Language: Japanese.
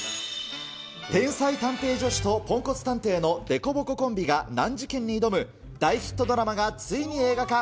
天才探偵助手とポンコツ探偵の凸凹コンビが難事件に挑む、大ヒットドラマがついに映画化。